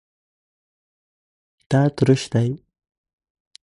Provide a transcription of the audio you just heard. دا تروش دی